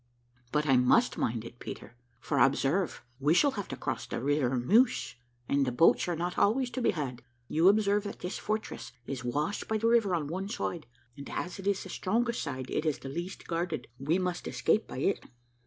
"But I must mind it, Peter; for observe, we shall have to cross the river Meuse, and boats are not always to be had. You observe, that this fortress is washed by the river on one side: and as it is the strongest side, it is the least guarded we must escape by it."